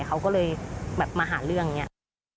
เขาก็เลยแบบมาหาเรื่องอย่างนี้